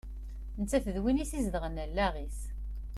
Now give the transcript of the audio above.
Nettat d win i as-izedɣen allaɣ-is.